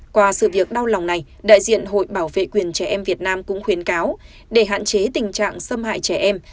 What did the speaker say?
qua sự việc đau lòng này đại diện hội bảo vệ quyền trẻ em việt nam cũng khuyến cáo để hạn chế tình trạng xâm hại trẻ em